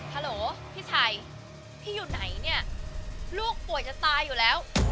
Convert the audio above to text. ฮัลโหลพี่ชัยพี่อยู่ไหนเนี่ยลูกป่วยจะตายอยู่แล้ว